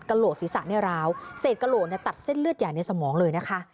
โหลกศีรษะเนี่ยร้าวเศษกระโหลกตัดเส้นเลือดใหญ่ในสมองเลยนะคะ